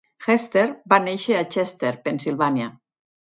Hester va néixer a Chester, Pennsilvània.